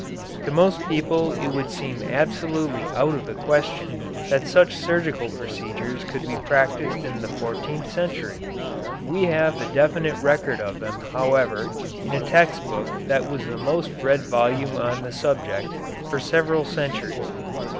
To most people it would seem absolutely out of the question that such surgical procedures could be practised in the fourteenth century. We have the definite record of them, however, in a text book that was the most read volume on the subject for several centuries.